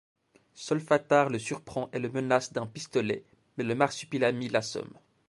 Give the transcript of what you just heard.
Solfatare le surprend et le menace d'un pistolet mais le marsipulami l'assomme.